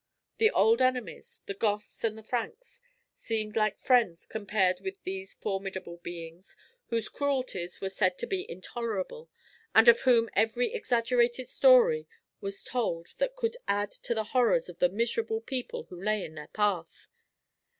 The old enemies, the Goths and the Franks, seemed like friends compared with these formidable beings, whose cruelties were said to be intolerable, and of whom every exaggerated story was told that could add to the horrors of the miserable people who lay in their path.